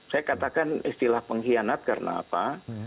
saya katakan istilah pengkhianat karena apa